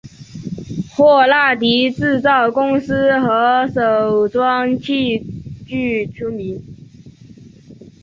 霍纳迪制造公司和手装器具出名。